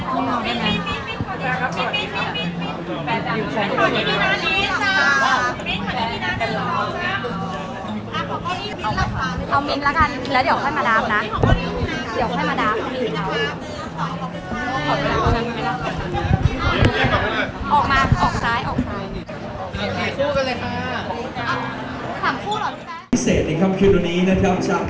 อันนี้มันเป็นอันนที่เกี่ยวกับเมืองที่เราอยู่ในประเทศอเมริกา